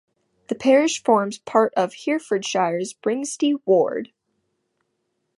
The parish forms part of Herefordshire's Bringsty ward.